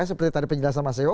seperti tadi penjelasan mas dewo